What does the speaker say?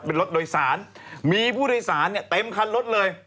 เป็นรถโดยสารมีผู้โดยสารเนี่ยเต็มคันรถเลย